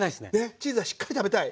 チーズはしっかり食べたい。